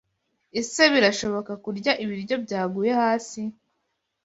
Ese birashoboka kurya ibiryo byaguye hasi?